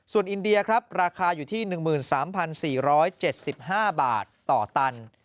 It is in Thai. ส่วนอินเดียครับราคาอยู่ที่๑๓๔๗๕บาทต่อตัน